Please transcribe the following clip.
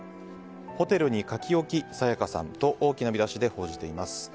ホテルに書き置き沙也加さんと大きな見出しで報じています。